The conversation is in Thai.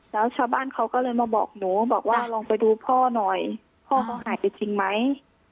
แล้วชาวบ้านเขาก็เลยมาบอกหนูบอกว่าลองไปดูพ่อหน่อยพ่อเขาหายไปจริงไหม